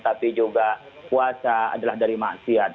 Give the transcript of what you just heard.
tapi juga puasa adalah dari maksiat